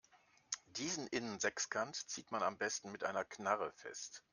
Diesen Innensechskant zieht man am besten mit einer Knarre fest.